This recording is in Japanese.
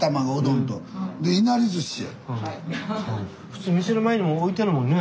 普通店の前にも置いてあるもんね。